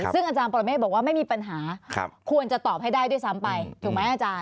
ซึ่งอาจารย์ปรเมฆบอกว่าไม่มีปัญหาควรจะตอบให้ได้ด้วยซ้ำไปถูกไหมอาจารย์